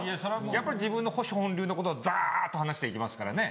やっぱり自分の保守本流のことをダっと話して行きますからね。